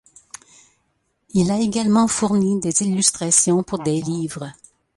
Il a également fourni des illustrations pour des livres.